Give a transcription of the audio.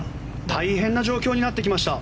大変な状況になってきました。